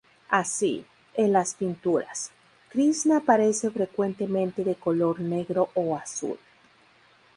Así, en las pinturas, Krisna aparece frecuentemente de color negro o azul.